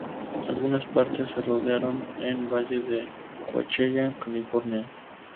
Algunas partes se rodaron en Valle de Coachella, California.